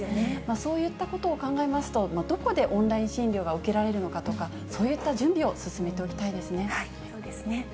そういったことを考えますと、どこでオンライン診療が受けられるのかとか、そういった準備を進そうですね。